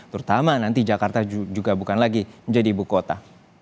terutama nanti jakarta juga bukan lagi menjadi ibu kota